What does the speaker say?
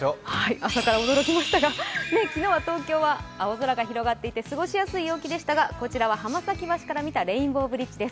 朝から驚きましたが、昨日は東京は青空が広がっていて過ごしやすい陽気でしたが、こちらは浜崎橋から見たレインボーブリッジです。